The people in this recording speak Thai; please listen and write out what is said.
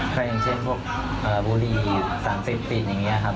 ก็อย่างเช่นพวกบุหรี่สารเสพติดอย่างนี้ครับ